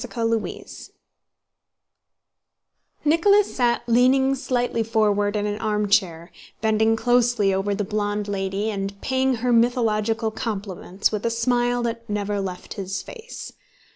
CHAPTER V Nicholas sat leaning slightly forward in an armchair, bending closely over the blonde lady and paying her mythological compliments with a smile that never left his face.